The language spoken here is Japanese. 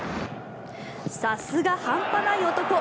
さすが半端ない男。